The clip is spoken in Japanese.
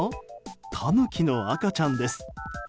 タヌキの赤ちゃんです。